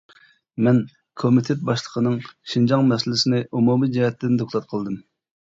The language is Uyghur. مەن كومىتېت باشلىقىنىڭ شىنجاڭ مەسىلىسىنى ئومۇمىي جەھەتتىن دوكلات قىلدىم.